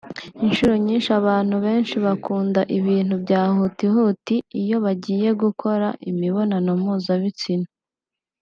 Inshuro nyinshi abantu benshi bakunda ibintu bya huti huti iyo bagiye gukora imibonano mpuzabitsina